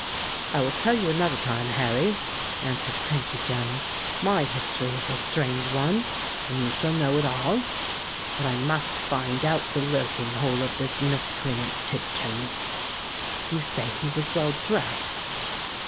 "I will tell you another time, Harry," answered Crankey Jem. "My history is a strange one—and you shall know it all. But I must find out the lurking hole of this miscreant Tidkins. You say he was well dressed?"